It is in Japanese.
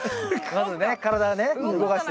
まずね体ね動かして。